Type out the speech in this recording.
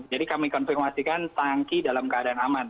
jadi kami konfirmasikan tanki dalam keadaan aman